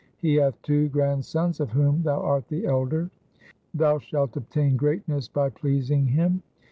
He hath two grand sons of whom thou art the elder. Thou shalt obtain greatness by pleasing him.